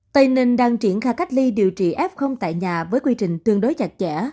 tây ninh đang triển khai cách ly điều trị f tại nhà với quy trình tương đối chặt chẽ